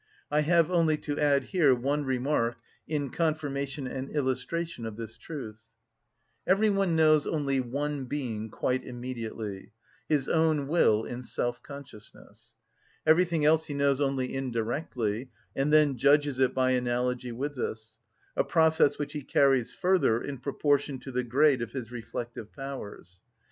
I have only to add here one remark in confirmation and illustration of this truth. Every one knows only one being quite immediately—his own will in self‐ consciousness. Everything else he knows only indirectly, and then judges it by analogy with this; a process which he carries further in proportion to the grade of his reflective powers.